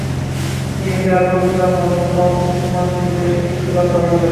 তিনি তার কবিতার মাধ্যমে উসমানকে বেশ কিছু কথা বলেন।